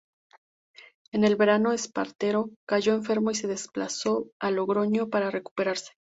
En el verano Espartero cayó enfermo y se desplazó a Logroño para recuperarse.